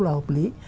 là hợp lý